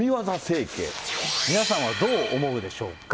皆さんはどう思うでしょうか。